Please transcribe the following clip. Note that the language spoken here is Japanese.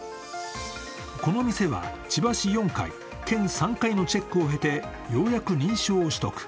この店は、千葉市４回、県３回のチェックを経てようやく認証を取得。